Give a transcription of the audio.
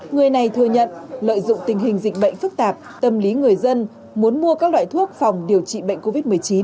người này thừa nhận lợi dụng tình hình dịch bệnh phức tạp tâm lý người dân muốn mua các loại thuốc phòng điều trị bệnh covid một mươi chín